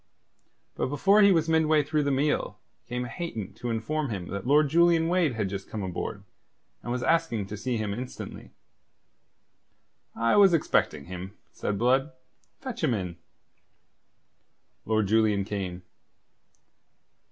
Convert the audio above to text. But before he was midway through the meal came Hayton to inform him that Lord Julian Wade had just come aboard, and was asking to see him instantly. "I was expecting him," said Blood. "Fetch him in." Lord Julian came.